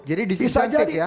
jadi disintetik ya